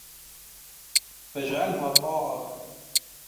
فَاجْعَلْهَا طَاعَةً